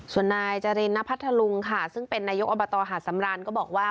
ส่วนนายจรินณพัทธลุงค่ะซึ่งเป็นนายกอบตหาดสำรานก็บอกว่า